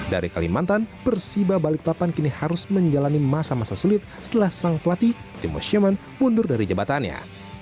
dari kalimantan persiba balik papan kini harus menjalani masa masa sulit setelah sang pelatih timo schumann mundur dari jabatannya